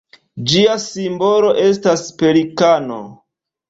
Ĝia simbolo estas pelikano.